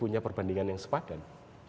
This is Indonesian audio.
punya perbandingan yang sepadan